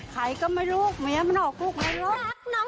ใครก็ไม่รู้เมียมันออกลูกในรถ